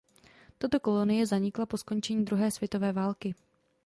Tato kolonie zanikla po skončení druhé světové války.